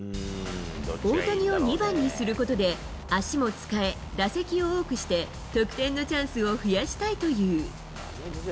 大谷を２番にすることで、足も使え、打席を多くして、得点のチャンスを増やしたいという。